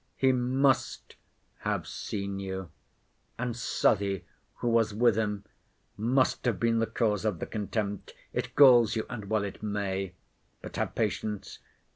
He must have seen you; and S——, who was with him, must have been the cause of the contempt. It galls you, and well it may. But have patience.